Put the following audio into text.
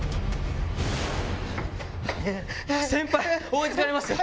先輩追い付かれますよ